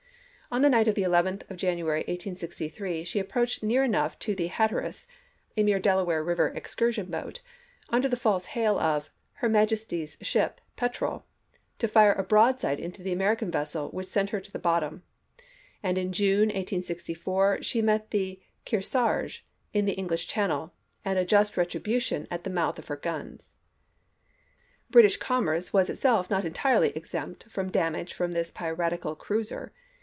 On the night of the 11th of January, 1863, she "^■"The^^' approached near enough to the Hatteras — a y and the mere Delaware Eiver excursion boat — under the Cruisers," p. 196. false hail of " Her Majesty's Ship Petrel,''^ to fire a broadside into the American vessel which sent her to the bottom, and in June, 1864, she met the Kearsarge in the English Channel, and a just retribution at the mouth of her guns. British commerce was itself not entirely exempt from damage from this piratical cruiser.